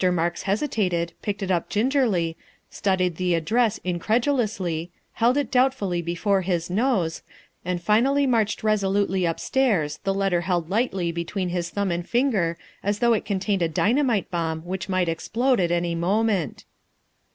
Marks hesitated, picked it up gingerly, studied the address in credulously, held it doubtfully before his nose, and finally marched resolutely upstairs, the letter held lightly between his thumb and finger as though it con tained a dynamite bomb which might explode at any moment.